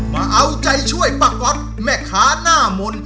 มาเอาใจช่วยป้าก๊อตแม่ค้าหน้ามนต์